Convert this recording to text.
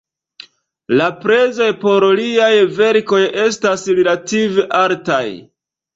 La prezoj por liaj verkoj estas relative altaj.